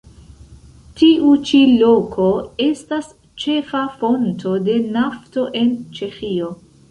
Tiu ĉi loko estas ĉefa fonto de nafto en Ĉeĥio.